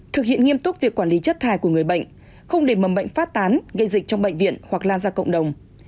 thực hiện nghiêm túc việc quản lý chất thải của người bệnh không để mầm bệnh phát tán gây dịch trong bệnh viện hoặc lan ra cộng đồng